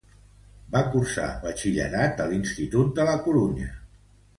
Va cursar Batxillerat a l'Institut de la Corunya.